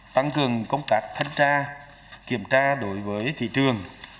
tăng cường công tác thân tra kiểm tra đối với thị trường